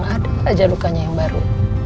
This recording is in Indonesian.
ada aja lukanya yang baru